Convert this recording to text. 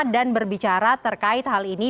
dan berbicara terkait hal ini